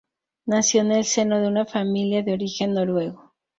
Nació en el seno de una familia de origen noruego.